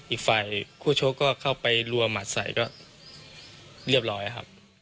อีกฝ่ายคู่ชกก็เข้าไปรัวหมัดใส่ก็เรียบร้อยครับ